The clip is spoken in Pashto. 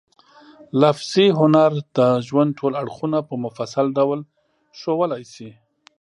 لفظي هنر د ژوند ټول اړخونه په مفصل ډول ښوولای شي.